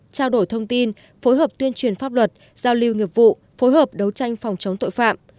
trao đổi thông tin phối hợp tuyên truyền pháp luật giao lưu nghiệp vụ phối hợp đấu tranh phòng chống tội phạm